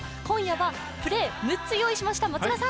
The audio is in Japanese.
今夜はプレー６つ用意しました。